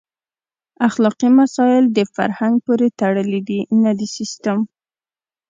اخلاقي مسایل د فرهنګ پورې تړلي دي نه د سیسټم.